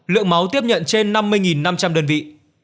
lượng máu tiếp nhận trên năm mươi năm trăm linh đơn vị